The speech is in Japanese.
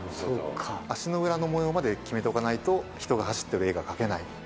足の裏の模様まで決めておかないと人が走ってる絵が描けない。